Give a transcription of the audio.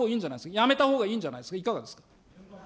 やめたほうがいいんじゃないですか、いかがですか。